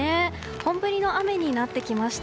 本降りの雨になってきました。